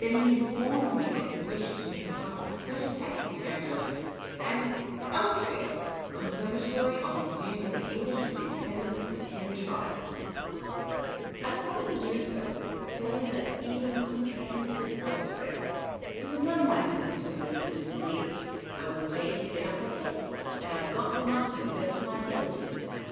Then he informed me that he wished me to hunt up certain facts in Herodotus " and elsewhere " confirmatory of his view that the English were the descendants of the Ten Tribes. I promised to do so, swallowing even that com The Urbane Old Gentleman 167 prehensive " elsewhere." It was none of my bnsiness to believe or disbelieve ; I was paid to get up a case, and I got one up to the best of my ability.